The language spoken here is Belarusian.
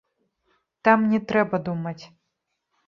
Там не трэба думаць.